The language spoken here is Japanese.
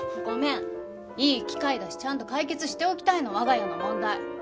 ごめんいい機会だしちゃんと解決しておきたいの我が家の問題。